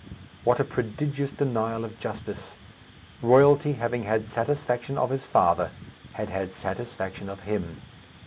What a prodigious denial of justice! Royalty, having had satisfaction of his father, had had satisfaction of him!